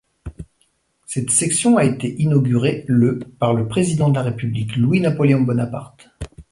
Cette section a été inaugurée le par le Président de la République Louis-Napoléon Bonaparte.